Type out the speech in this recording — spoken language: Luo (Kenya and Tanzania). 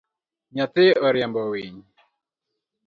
Nyathi oriembo winy